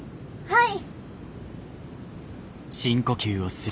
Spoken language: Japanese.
はい！